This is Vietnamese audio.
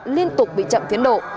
liên tục bị chậm phiến độ